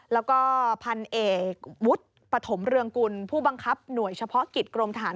แล้วก็พันเอกวุฒิปฐมเรืองกุลผู้บังคับหน่วยเฉพาะกิจกรมทหาร